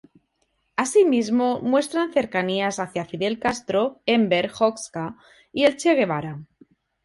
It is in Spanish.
Así mismo muestran cercanías hacia Fidel Castro, Enver Hoxha y el Che Guevara.